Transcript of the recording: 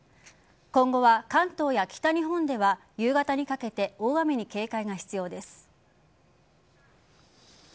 今後は関東や北日本では夕方にかけて大雨に警戒が必要です。